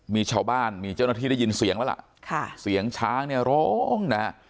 มีชาวบ้านมีเจ้าหน้าที่ได้ยินเสียงแล้วล่ะค่ะเสียงช้างเนี่ยร้องนะฮะ